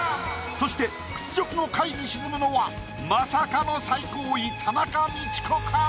そして屈辱の下位に沈むのはまさかの最高位田中道子か？